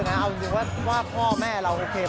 คือไม่ใช่ญาติเราส่วนสิ่ง